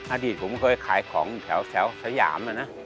อดีตผมเคยขายของแถวสยามนะ